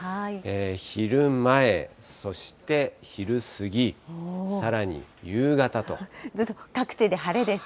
昼前、そして昼過ぎ、さらに夕方各地で晴れですね。